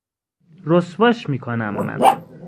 رسواش میکنم من